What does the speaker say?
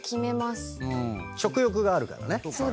食欲があるからね。